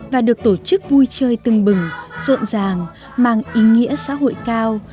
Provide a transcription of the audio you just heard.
và được tổ chức vui chơi tưng bừng rộn ràng mang ý nghĩa xã hội cao